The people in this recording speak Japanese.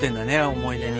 思い出に。